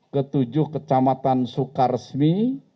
ketujuh kecamatan soekarsmi